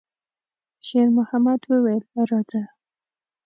شېرمحمد وویل: «راځه!»